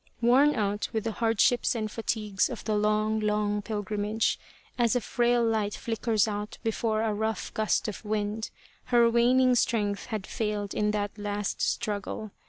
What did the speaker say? Worn out with the hardships and fatigues of the long, long pilgrimage, as a frail light flickers out before a rough gust of wind, her waning strength had failed in that last struggle.